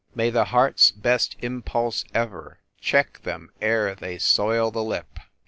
May the heart s best impulse ever Check them ere they soil the lip!